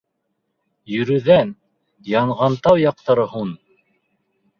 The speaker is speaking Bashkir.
— Йүрүҙән, Янғантау яҡтары һуң!